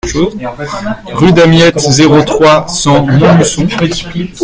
Rue Damiette, zéro trois, cent Montluçon